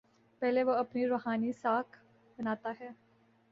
پہلے وہ اپنی روحانی ساکھ بناتا ہے۔